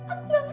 aku gak ngerti